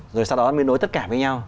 rồi sau đó mới nối tất cả với nhau